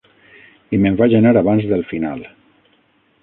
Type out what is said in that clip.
I me'n vaig anar abans del final.